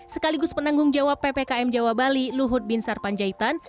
sekaligus penanggung jawab ppkm jawa bali luhut bin sarpanjaitan